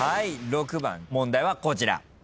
６番問題はこちら。